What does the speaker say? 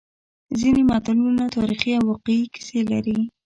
ځینې متلونه تاریخي او واقعي کیسې لري